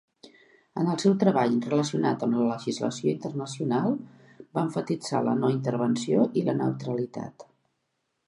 En el seu treball relacionat amb la legislació internacional va emfatitzar la no intervenció i la neutralitat.